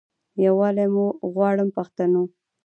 یووالی مو غواړم پښتنو.